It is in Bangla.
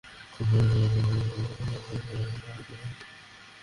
আমার লক্ষ্য ছিল জনতা তাদের পরাস্ত করলে মেজর মঈনের কোম্পানিকে সাহায্য করা।